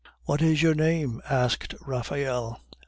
"What is your name?" asked Raphael.